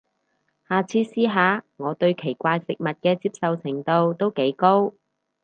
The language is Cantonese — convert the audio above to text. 下次試下，我對奇怪食物嘅接受程度都幾高